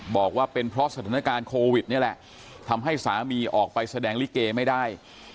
บอกว่าเป็นเพราะสถานการณ์โควิดนี่แหละทำให้สามีออกไปแสดงลิเกไม่ได้